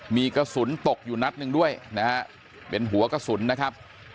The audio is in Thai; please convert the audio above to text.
มีกระสุนตกอยู่นัดหนึ่งด้วยนะฮะเป็นหัวกระสุนนะครับ